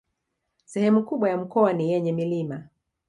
Sehemu kubwa ya mkoa ni yenye milima